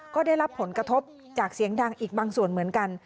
ก็ได้รับผลกระทบจากเสียงดังอีกบางส่วนเหมือนกัน